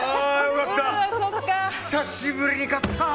久しぶりに勝った！